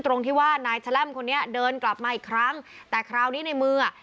ตรงที่ว่านายแชล่มคนนี้เดินกลับมาอีกครั้งแต่คราวนี้ในมืออ่ะ